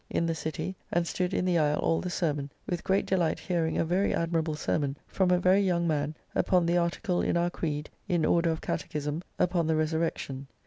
] in the city, and stood in the aisle all the sermon, with great delight hearing a very admirable sermon, from a very young man, upon the article in our creed, in order of catechism, upon the Resurrection.